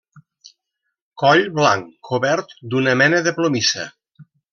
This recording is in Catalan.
Coll blanc cobert d'una mena de plomissa.